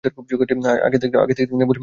আগে থাকতে বলে রাখলেও রাগ করব।